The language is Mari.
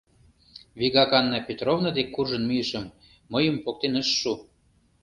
Вигак Анна Петровна дек куржын мийышым — мыйым поктен ыш шу.